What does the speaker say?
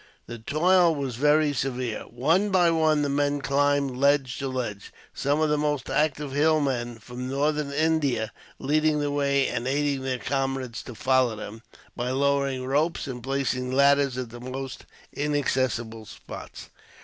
The toil was very severe. One by one, the men climbed from ledge to ledge, some of the most active hill men, from northern India, leading the way, and aiding their comrades to follow them, by lowering ropes, and placing ladders at the most inaccessible spots.